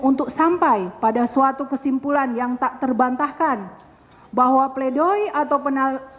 untuk sampai pada suatu kesimpulan yang tak terbantahkan bahwa pledoi atau